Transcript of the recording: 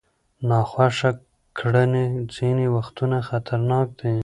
ناخوښه کړنې ځینې وختونه خطرناک دي.